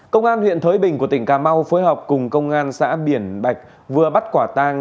công an huyện thới bình của tỉnh cà mau phối hợp cùng công an xã biển bạch vừa bắt quả tang